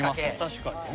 確かにね。